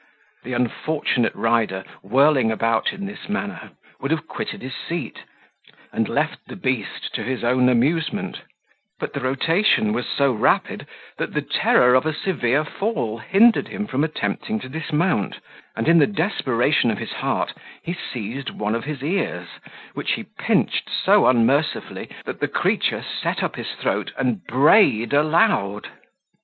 The unfortunate rider, whirling about in this manner, would have quitted his seat, and left the beast to his own amusement, but the rotation was so rapid, that the terror of a severe fall hindered him from attempting to dismount; and, in the desperation of his heart, he seized one of his ears, which he pinched so unmercifully, that the creature set up his throat, and brayed aloud.